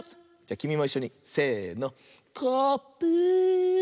きみもいっしょにせの。